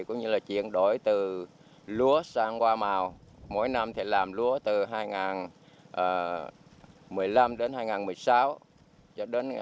chuyển đổi từ lúa sang hoa màu mỗi năm làm lúa từ hai nghìn một mươi năm đến hai nghìn một mươi sáu